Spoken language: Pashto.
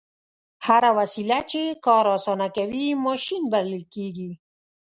هره وسیله چې کار اسانه کوي ماشین بلل کیږي.